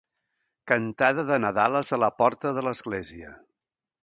Cantada de Nadales a la porta de l'església.